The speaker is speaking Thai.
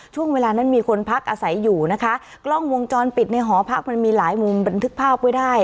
ช่วงเวลานั้นมีคนพักอาศัยอยู่นะคะกล้องวงจรปิดในหอพักมันมีหลายมุมบันทึกภาพไว้ได้